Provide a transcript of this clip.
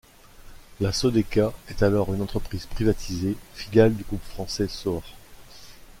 La Sodeca est alors, une entreprise privatisée, filiale du groupe français Saur.